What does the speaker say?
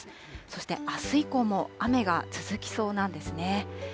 そしてあす以降も雨が続きそうなんですね。